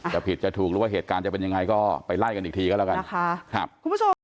จะผิดจะถูกหรือว่าเหตุการณ์จะเป็นยังไงก็ไปไล่กันอีกทีก็แล้วกันนะคะคุณผู้ชม